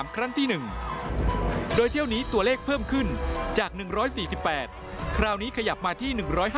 คราวนี้ขยับมาที่๑๕๐